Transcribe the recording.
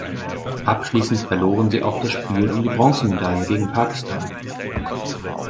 Abschließend verloren sie auch das Spiel um die Bronzemedaille gegen Pakistan.